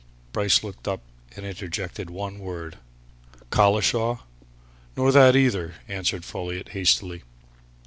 Bryce looked up and interjected one word. "Collishaw?" "Nor that, neither," answered Folliot, hastily.